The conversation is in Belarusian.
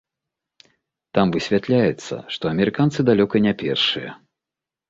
Там высвятляецца, што амерыканцы далёка не першыя.